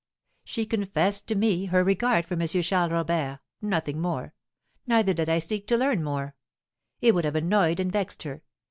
"She confessed to me her regard for M. Charles Robert, nothing more; neither did I seek to learn more; it would have annoyed and vexed her.